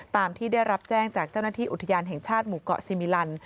ตามที่ได้รับแจ้งจากเจ้าหน้าที่อุทยานแห่งชาติหมู่เกาะซีมิลัน